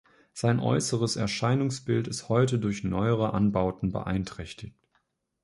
Sein äußeres Erscheinungsbild ist heute durch neuere Anbauten beeinträchtigt.